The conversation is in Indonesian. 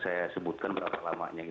saya tidak bisa sebutkan berapa lamanya